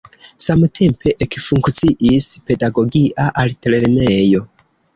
Samtempe ekfunkciis pedagogia altlernejo.